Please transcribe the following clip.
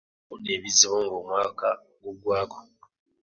Yafuna ebizibu ng'omwaka guggwaako.